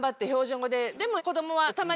でも。